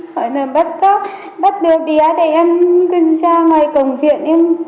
hỏi là bắt cóc bắt đưa bia để em ra ngoài công viện